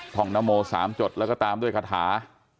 ห้องนโม๓จดแล้วก็ตามด้วยคาถา